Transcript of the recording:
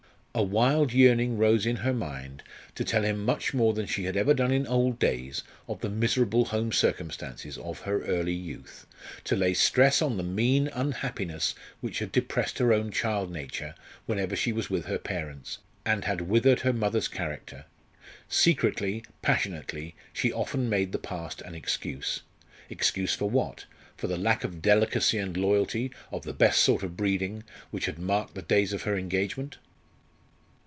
A wild yearning rose in her mind to tell him much more than she had ever done in old days of the miserable home circumstances of her early youth; to lay stress on the mean unhappiness which had depressed her own child nature whenever she was with her parents, and had withered her mother's character. Secretly, passionately, she often made the past an excuse. Excuse for what? For the lack of delicacy and loyalty, of the best sort of breeding, which had marked the days of her engagement?